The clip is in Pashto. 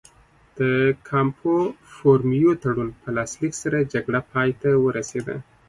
د کامپو فورمیو تړون په لاسلیک سره جګړه پای ته ورسېده.